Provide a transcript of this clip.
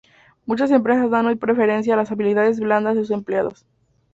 Muchas empresas dan hoy preferencia a las habilidades blandas de sus empleados.